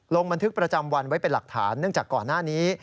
ลงบันทึกประจำวันไว้เป็นหลักฐานเนื่องจากก่อนหน้านี้